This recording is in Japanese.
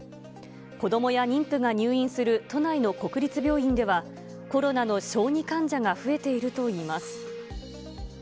子どもや妊婦が入院する都内の国立病院では、コロナの小児患者が増えているといいます。